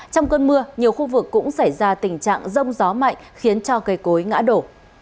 trong cơn mưa nhiều khu vực cũng xảy ra tình trạng rông gió mạnh khiến cho cây cối ngã đổ